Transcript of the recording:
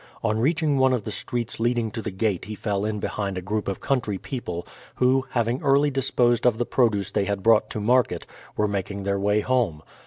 On reaching one of the streets leading to the gate he fell in behind a group of country people, who, having early disposed of the produce they had brought to market, were making their way home.